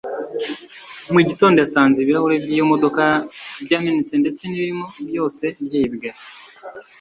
Mu gitondo yasanze ibirahure by’iyo modoka byamenetse ndetse n’ibirimo byose byibwe